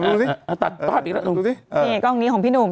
มีลายกล้องนี้ของพี่หนุ่ม